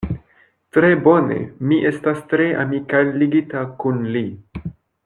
Tre bone; mi estas tre amikalligita kun li.